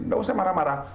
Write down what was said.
nggak usah marah marah